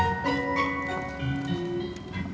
orang orang yang bekerja di sini